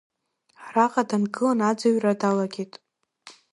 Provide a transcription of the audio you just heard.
Араҟа дангылан аӡырҩра далагеит.